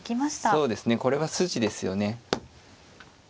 そうですねこれは筋ですよね。